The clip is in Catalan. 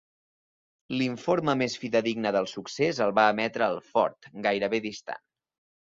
L'informe més fidedigne del succés el va emetre el fort, gairebé distant.